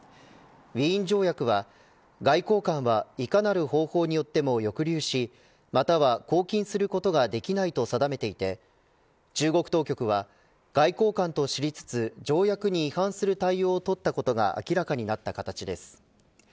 ウィーン条約は外交官はいかなる方法によっても抑留しまたは拘禁することができないと定めていて中国当局は外交官と知りつつ条約に違反する対応をとったことが明らかになった形です。